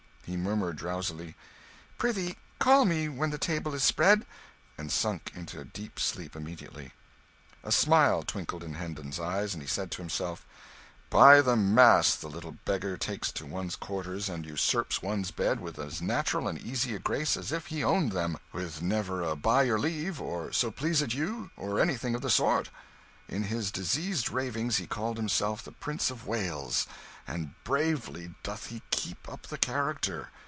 He murmured drowsily "Prithee call me when the table is spread," and sank into a deep sleep immediately. A smile twinkled in Hendon's eye, and he said to himself "By the mass, the little beggar takes to one's quarters and usurps one's bed with as natural and easy a grace as if he owned them with never a by your leave or so please it you, or anything of the sort. In his diseased ravings he called himself the Prince of Wales, and bravely doth he keep up the character.